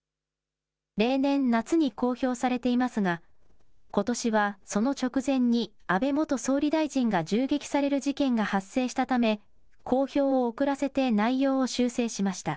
例年、夏に公表されていますが、ことしはその直前に安倍元総理大臣が銃撃される事件が発生したため、公表を遅らせて内容を修正しました。